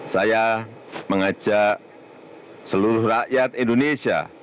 saya mengajak seluruh rakyat indonesia